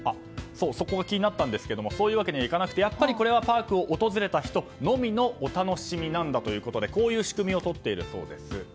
そこが気になったんですけどそういうわけにはいかなくてやっぱりこれはパークを訪れた人のみのお楽しみなんだということでこういう仕組みをとっているそうです。